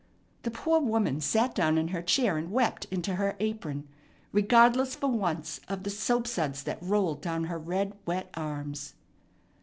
The poor woman sat down in her chair, and wept into her apron regardless for once of the soap suds that rolled down her red, wet arms.